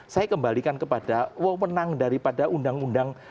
saya kembalikan kepada wewenang daripada undang undang